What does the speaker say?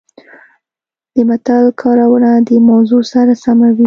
د متل کارونه د موضوع سره سمه وي